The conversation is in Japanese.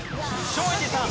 松陰寺さん